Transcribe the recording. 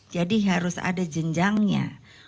jadi harus ada jenjangnya